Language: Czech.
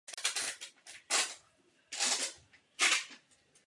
Podstatné je také omezení zdravotních rizik a zamezení přenosu pohlavních nemocí.